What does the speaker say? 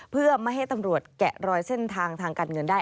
เพื่อไม่ให้ตำรวจแกะรอยเส้นทางทางการเงินได้